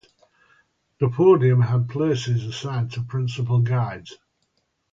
The podium had places assigned to the principal guilds.